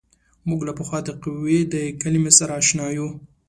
موږ له پخوا د قوې د کلمې سره اشنا یو.